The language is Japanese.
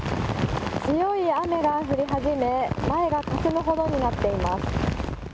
強い雨が降り始め前がかすむほどになっています。